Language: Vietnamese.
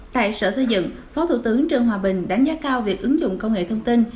tại sở xây dựng phó thủ tướng trương hòa bình đánh giá cao việc ứng dụng công nghệ thông tin